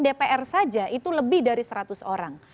dpr saja itu lebih dari seratus orang